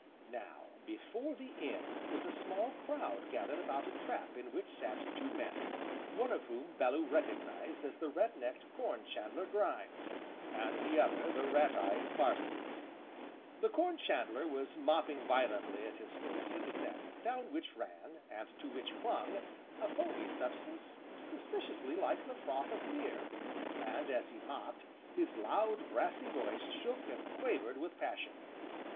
Now, before the inn was a small crowd gathered about a trap in which sat two men, one of whom Bellew recognised as the rednecked Corn chandler Grimes, and the other, the rat eyed Parsons. The Corn chandler was mopping violently at his face and neck down which ran, and to which clung, a foamy substance suspiciously like the froth of beer, and, as he mopped, his loud brassy voice shook and quavered with passion.